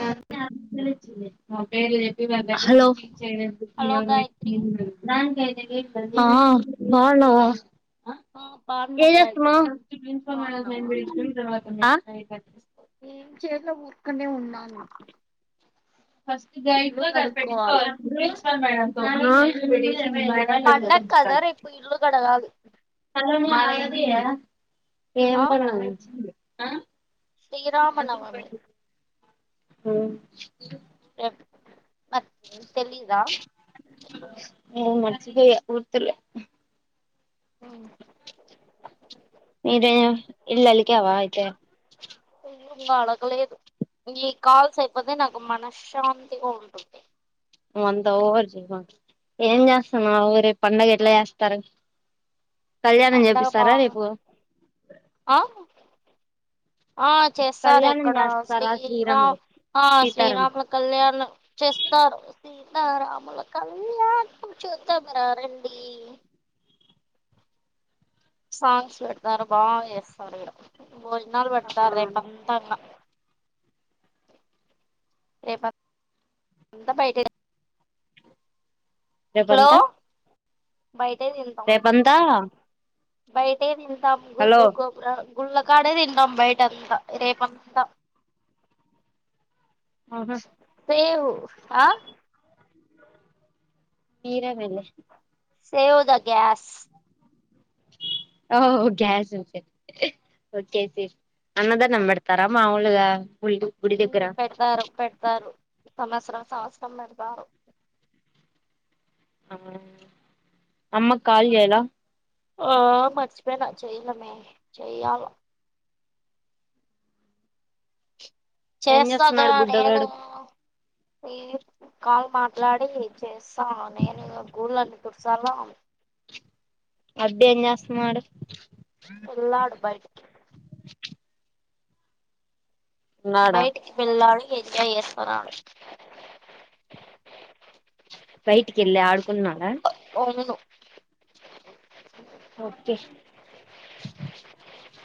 లా స్ట్యా ప్ నిన్న తెచ్చింది మ్ పెర్ల్ జెప్ హలో హలో గాయత్రి ఆ బాఉండవ ఆ బాగున్నా ఏయ్ ఎత్ గాయత్రి నావ్ బాగున్నావా ఏం చేయలో ఊర్కనే ఉన్నాను ఇల్లు కడుక్కోవాలి ఆ పండగ కదా రేపు ఇల్లు [unintelligible] కడగాలి ఏం ఆ [unintelligible] శ్రీరామనవమి హు్ ఏ [inaudible] తెలీదా లే గుర్తులే ఇల్లు మీదే ఇళ్లలిక్యవా ఇయితే ఇంగా అలకలేదు ఈ కాల్స్ అయిపోతే నాకు మనశ్యాతిగా ఉంటుంది నువ్ అత్త ఓవర్ జేమాక్ ఏం చేస్తున్నావ్ రేప్ పండగ ఎట్లా చేస్తారు కళ్యాణం పండగ బా చేపిస్తారా రేపు ఆ ఆ చేస్తారు కళ్యాణం ఇక్కడ చేస్తారా శ్రీరాములు శ్రీరామా సీతారాం శ్రీరామ కళ్యాణ్ చేస్తా చేస్తారు సీతారాముల కళ్యాణం చూద్దము రారండి సాంగ్స్ వెడతారు బాగా చేస్తారు ఏడ భోజనాలు పెడ్తారు రేప్ అంతంగా రేపా అంత బయటే రేప్ హలో అంత బయటే తింటాం రేప్ అంత బయటే తింటాం గుడ్లు గోపురాల గుల్లకాడే తిందాం బైట్టంత రేప్పంత ఆహా సేవు ఆహ్ మీర వేళె సేవ్ థ గ్యాస్ ఓ క్యాజువల్ అంటి వోచ్చేసి అన్నదానం పెడతారా మామూలుగా పెడ్తారు పెడ్తారు సంవత్సరం సంవత్సరం పెడతారు అమ్మ కాల్ చేయాలే ఓ మర్చిపోయినా చెయలెమే చెయాల ఏం చేస్తగా చేస్తున్నాడు నేను బుడ్డగాడు ఏ కాల్ మాట్లాడి చేస్తా నేను గుూళ్ళన్నీ తుడ్చాలా వంట ఏం చేస్తున్నారు ఎల్లాడు బయట బైటికి వెళ్ళాలి ఎంజాయ్ చేస్తారా బయటికేళ్ళి ఆడుకున్నారా ఇదిగో ఓకే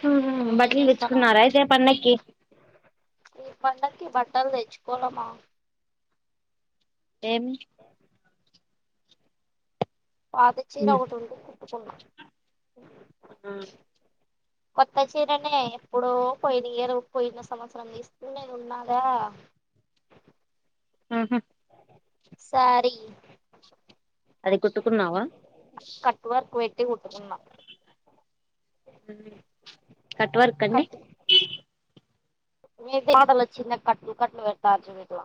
ఉమ్ నువ్వేం బట్టలు చేస్తున్నావ్ దేచ్చుకున్నారా అయితే పండక్కి ఈ పండకి బట్టలు దెచ్చుకోలేమా ఏమి పాత చీర ఒక్కట్టుంటే కుటుక్కున్న ఉమ్ కొత్త చీరనే ఎప్పుడో పోయిన ఇయరు పోయిన సంవత్సరం దీ దిస్కున్నేది ఉన్నాదా అ హా సారీ అది కుట్టుకున్నావా కట్ వర్క్ పెట్టి కుట్టుకున్నా ఉహ్ కట్ వర్క్ అండి మీ దతలు వచ్చింది కట్టల్ కట్టలు పెడట్టారు మీట్ల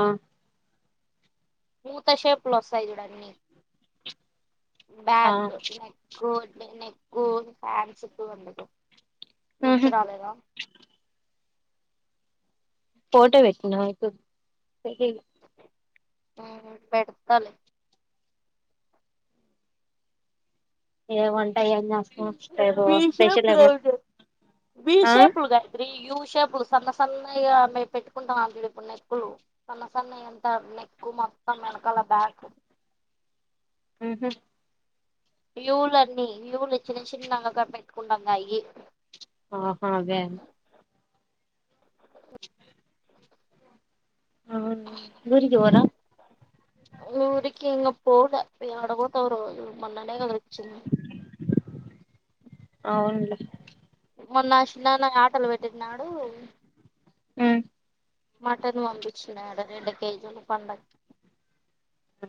ఆహ్ మూత సేప్లోసాయి చుడాన్ని బ్యాక్ నెక్కు బే నెక్కు హ్యాండ్స్ కు అందుకు ఉహు గుర్తురాలేదా ఫోటో పెట్టుకున్నావా ఆ అక్క కి ఆ పెడతాలే ఏవం విషేపు ఏమో బ్లౌజ్ ఆ విషేపు గాయత్రీ యూ షేపులు సన్న సన్నగ మేము పెట్టుకుంటాం అ ఇప్పుడు నెక్కు సన్న సన్న ఎంత నెక్ కు మొత్తం వెనకాల బ్యాకు ఉ హు యూలన్నీ యూలు చిన్న చిన్నంగా పెట్టుకుండంగా యే అ హా అవ ఊరికి పోరా ఊరికింగ పోలా యాడపొతవ్రో మోన్ననే గదొచ్చింది అవ్నులే మొన్న చిన్నాన యాటలు పెట్టిన్నాడు ఉ మ్ మటన్ పంపించినాడు రెండు కేజీలు పండక్కి ఆ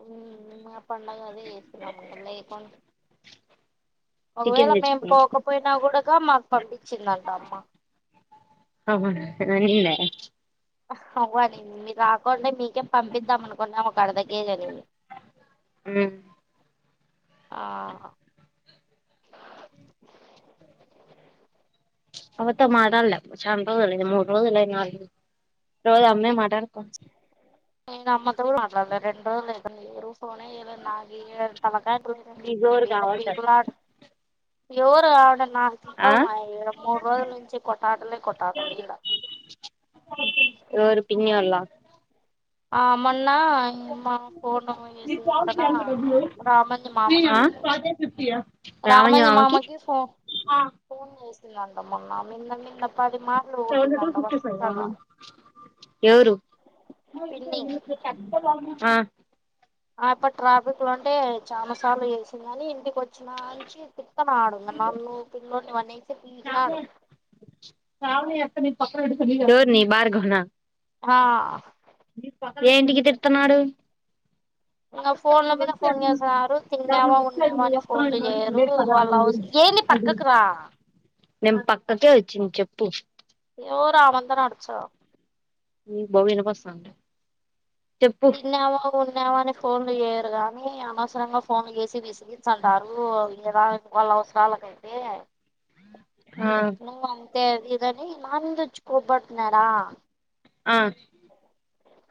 ఓ మా పండగదే చేసినాము ఇంగ లేకుంటే చికెన్ ఒకవేళ మేము తెచ్చుకున్న పోకపోయినా కూడాగా మాకు పంపించిందంట అమ్మ ఆహ్ అన్నిందా అవ్వనే మీ రాకుండా మీ కే పంపిద్దాం అనుకున్నా ఒక అరదకేజి అనింది ఆహ్ అవత మాడల్లే చాన రోజులై మూడు రోజులై నాలుగు రోజు అమ్మే మాటడత నేను అమ్మతో కూడా మాట్లాడలే రెండోజులైతుంది మీరు పోనే చేయలే నాకి తలకా నీకు ఎవరు ఏడ కావాల్సి పీకులాట ఎవరాడ నా ఆ తింక మా ఇడ మూడు రోజుల్నుంచి కొట్టాటలే కొట్టాటలు ఇడ ఎవరు పిన్ని వాళ్ళ ఆ మోన్నా మా ఫోను మీకు కాల్ చేసిన్దంటనా చేయాలి డబ్బులు రామంజి ఆ మామకి రామంజి మామకి ఫోన్ ఫోన్ చేసిందంట మొన్న మిన్న మిన్న ఎవరు పిన్ని ఆ ఆపా ట్రాఫిక్ లో ఉంటే చానసార్లు చేసింది అని ఇంటికి వచ్చినాంచి నాడు ఇంగ నన్నూ పిల్లొన్ని ఎవర్ని భార్గవ్ న ఆహ్ ఏంటికి తిడ్తన్నాడు? ఇంగా ఫోన్ల మీద ఫోన్ చేస్తున్నారు అతను తిన్నావా, వచ్చాడు ఉన్నావా నువ్వు అని వస్తున్నావు ఫోన్లు మళ్ళీ చేయరు విదేశాలు వాళ్ళ అనింది అవసర ఎంది పక్కకు రా మేము పక్కకే ఓచ్చింది చెప్పు ఓ రామంతనడ్చవ్ మ్ బవ్వొనిబస్తాంది తిన్నావా ఉన్ న్నావని ఫోన్లు చేయరు గాని అనవసరంగా ఫోన్లు చేసి విసిగించండారు ఇంగ రాన్ వాళ్ళ అవ్సారలకైతే ఆ నువ్వు అంతే అదిదనీ మాందించ్కోబడ్నాడా ఆ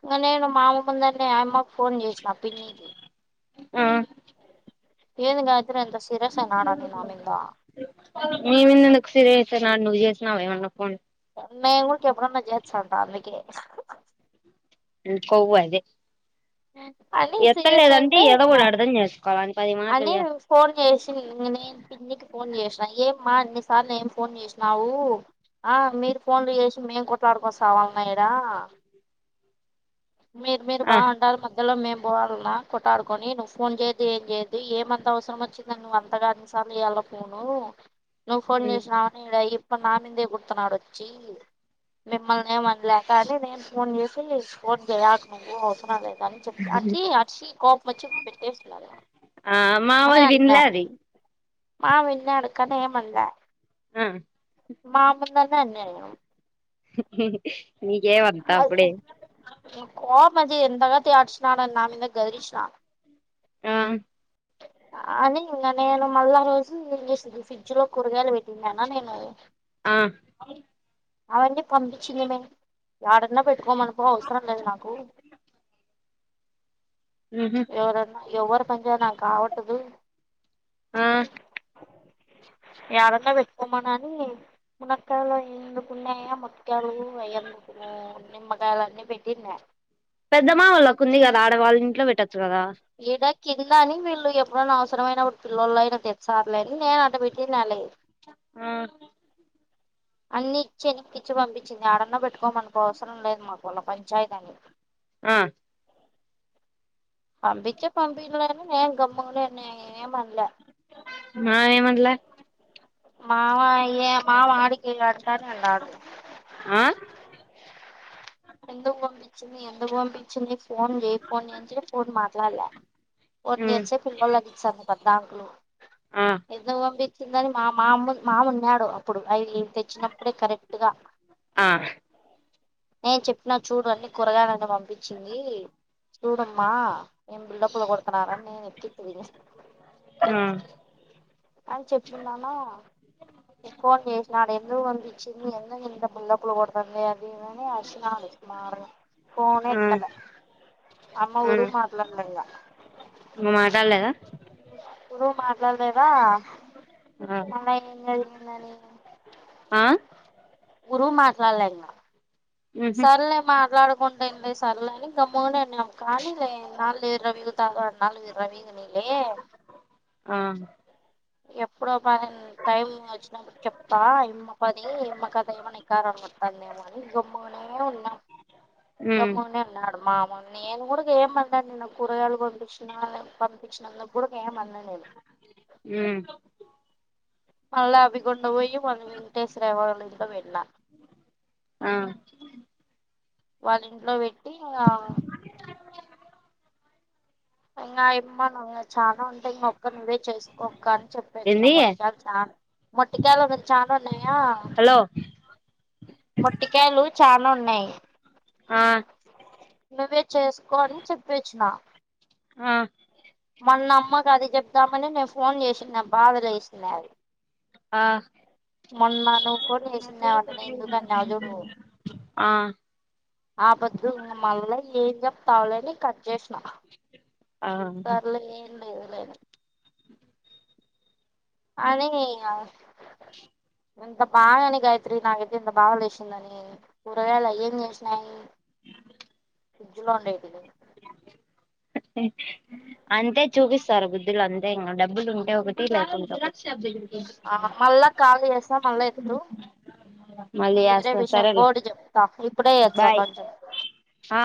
ఇంగ నేను మామ ముందండ్నే అయమ్మక్ ఫోన్ జేష్నా పిన్నీకి ఆ ఏంది గాన్ మీమీదెందుక్ సీరియస్ ఐత్ నాను నువ్ జేష్నావెమన్నా ఫోన్ మేం గుడ్ కెప్పుడన్నా జేచ్చాంటా అందికే ఇట్కోవ్వదే అని సీరియస్ ఎత్తలేదంటే అంటే ఎదో ఇంగ గుడర్ధం జెస్కోవలీ అని ఫోన్ జోషినింగ్ నేన్ పిన్నికి ఫోన్ జేష్నా యే మా అన్ని సార్లెమ్ ఫోన్ జేష్నావూ? ఆ మీరు ఫోన్లు యేషి మేం కొట్లాడ్కోసావాల్నా ఇడా. మీర్ మీర్ ఆ బావుండార్ మధ్యలో మేం బోఅల్నా కొట్టాడుకొనీ నువ్ ఫోన్ జేయొద్దు ఏన్ జేయొద్దు. ది ఏమంతవ్సరమొచ్చిందనీ నువ్ అంతగాన్ సంధుయేయ్యాల్నో పోను నువ్ ఫోన్ జేష్నావనీ ఇడ ఇప్ప్నామిందే ఏగుర్తున్నాడ్ ఒచ్చీ మిమ్మలినేమానలేక అనీ నేన్ ఫోన్ జేషీ ఫోన్ జెయాకు నువ్వు అవసరం లేద్. అన్ చెప్ప్ అక్కీ అర్చీ కోప్మొచ్చి పెట్టేసున్నాదా ఆ మావోల్ దిండ్లా అది మా విన్నాడు కనేమండ్లా ఆ మామందాల్నే అన్నైయ్ఆ హుహిహిహ్ మేకేమంతప్పుడే మంచి ఎండగా త్యాడ్చ్ న్యాన్ నామిందక్ గద్రిచ్నా ఆ అనీ ఇంగనేను మళ్ళరోజు ఏ చేసిద్దెల్స్ ఫ్రిడ్జ్లో కూరగాయల్ వెట్ తిన్నానా నేను ఆ అవన్నీ పంపించింది మేము యాడ్ నిన్న పెట్టుకోమనుకో అవసరం లేద్ నాకు ఉహు ఎవ్వరన్నా యేవ్వరూ పంజేయ్ నాకావోట్టుగూ ఆ యాడన్నా బెట్ పొమ్మనానీ మునక్కల ఎందుకున్నాయా ముత్యాలు వెయ్యందుకు నిమ్మకాయలన్నీ బెట్టిండా పెద్దమ్మ వాల్లకుంది గదా ఆడ వాళ్ళింట్ల వెట్టోత్ ఏడాకి ఇల్లాని వీళ్ళు ఎప్పుడనౌశ్రరమైనప్పుడ్ పిల్లలైనా తెచ్చార్లేన్ నేనట్టబెట్టిన్నాన్ లే ఆ అన్ని ఇచ్చే ఎనకిచ్చి పంపించింది. ఏడన్న బెట్టుకోమనుకో అవసరం లేదు మాకోల్ల పంచాయితనీ అ పంపిచ్చే పంపీయ్ గుడనీ నేన్ గమ్ముఅనే ఉన్నా ఏమన్లా. మాయేమన్లె మావ ఏ మావాడికే అంటానే ఉన్నాడు. ఆ ఎందుగ్ వంపించింది ఎందుకు వంపియ్ చిన్ని ఫోన్ జేయ్ ఫోన్ ఏంచే ఫోన్ మాట్లాడ్లా ఫోన్ ఉమ్ జేచ్చే పిల్లోల్లకిచ్చాంది పద్దాంకులు ఆ ఎందుకు పంపించింది అన్ని మామ మా మా అన్నాడు మామున్నేడు అప్పుడు ఐలీవ్ తెచ్చినప్పుడే కరెక్ట్ గా ఆ నే చెప్పిన చూడన్నీ కూరగాయలనే వంపించింది చూడమ్మా ఎం బిల్డప్ పోగొడ్తూన్నార నేనిప్పించి తినేస్ ఆ అని చెప్పిండానా ఫోన్ చేన్నాడు ఎందుకువంపించింది ఎందుకింత బిల్డప్లు కొతాంది అదీ ఇదీ అని చ్చినాడు మామయ్య ఫోనే ఆ ఎత్తలే అమ్మ ఆ వోళ్లు మాట్లాడ్లె ఇగ కదా రాలేదా మళ్ళ ఈమెది ఈమెది ఆ ముగ్గురు మాట్లాడ్లె ఇంగ ఉహు సర్లే మాట్లాడకుంటేంది సర్లె అని గమ్మునేనీన్నె కానీ లే ఇన్నాళ్లు విర్రవీగుతావో అన్నాలు విర్రవీగు ఆ ఎప్పుడో పనైం టైం వచ్చినప్పుడు చెప్తా ఈమె పని ఈమ్మకతెమన్న ఈకారం గు తన్నేమ మ్మనే ఉన్నం ఉమ్ గమ్ముూనే ఉన్నాడు మామ నేను కూడంగే మన్లే కూరకాయలు పంపించిన్నా పంపించ్నందు కూడ ఏమల్లే నేను ఉమ్ మళ్ళీ అవిగుండవొయ్యి మళ్ళీ శ్రవణ్ వాళ్ళింట్ల పెట్టిన ఆ వాళ్ళింట్ల వెట్టి ఇంగా ఇంగా ఇమ్మానమ్ గ చాలా ఉంటాయ్ ఇంక అక్క నువ్వే చేసుకోక్క అని చెప్పేచ్చు నా ఏంది మొట్కాలు మొట్టికాయలు లే చాల్రోజ్లాయా హలో మొట్టికాయలు చాన ఉన్నయ్ ఆ నువ్వే చేస్కొ అని చెప్పివచ్నా ఆ మన్న అమ్మకి అది చెప్దామనే నేను ఫోన్ జెషిన్న బాధలే చేసిన్న అవి ఆ మొన్న నువ్వు ఫోన్ చేసిన్నావాంట నేనెందుకన్నవ్ చూడూ ఆ ఆ పొద్దు మళ్ళ ఏం చెప్తాలేని కట్ చేన్నా ఆ లేదు లేదు అన్ని ఇంక ఎంత పాగైని గాయత్రి నాకైతే ఇంత బాలేసిందని కూరగాయలు అయ్యేం చేన్నయి యబుల్ ఫ్రిడ్జ్ లో ఉండేటివి అంతే చూపిస్తారూ బుద్దిలంతే ఇంగ డబ్బులు ఉంటే ఒకటి లేకుం జిరాక్స్ షాప్ జెయ్యు ఆ మళ్ళ కాల్ చేస్తా మళ్ళా ఎత్తు మళ్ళీ వేరే చేస్తా విషం సరేలే ఉంగోటి చెప్తా ఇప్పుడే ఎక్సమ్ బాయ్ అంట ఆ